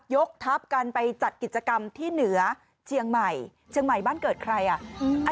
ยกทัพกันไปจัดกิจกรรมที่เหนือเชียงใหม่เชียงใหม่บ้านเกิดใครอ่ะ